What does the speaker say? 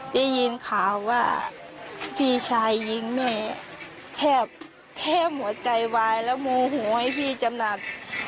ได้ยินข่าวว่าพี่ชายยิงแม่แทบแทบหัวใจวายแล้วโมโหให้พี่จำหนัก